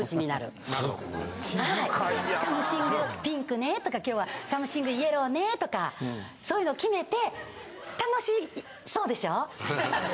サムシングピンクねとか今日はサムシングイエローねとかそういうの決めて。